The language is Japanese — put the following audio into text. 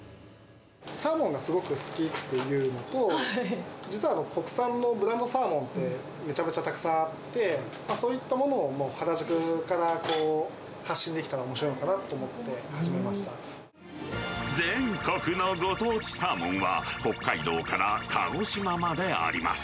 サーモンがすごく好きっていうのと、実は国産のブランドサーモンってめちゃめちゃたくさんあって、そういったものを原宿から発信できたらおもしろいのかなと思って、全国のご当地サーモンは、北海道から鹿児島まであります。